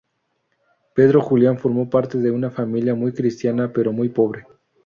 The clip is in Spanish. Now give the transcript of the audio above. Pedro Julián formó parte de una familia muy cristiana pero muy pobre.